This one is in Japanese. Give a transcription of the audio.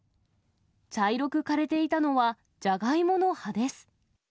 茶色く枯れていたのは、ジャガイモの葉です。